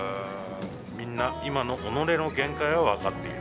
みんな、今の己の限界は分かっている。